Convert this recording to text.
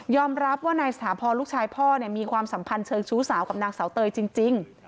รับว่านายสถาพรลูกชายพ่อมีความสัมพันธ์เชิงชู้สาวกับนางเสาเตยจริง